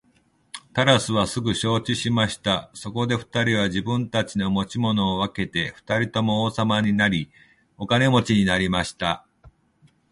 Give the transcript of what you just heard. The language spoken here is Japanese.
タラスはすぐ承知しました。そこで二人は自分たちの持ち物を分けて二人とも王様になり、お金持になりました。